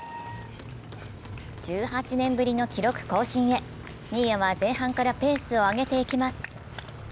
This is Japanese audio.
１８年ぶりの記録更新へ、新谷は前半からペースを上げていきます。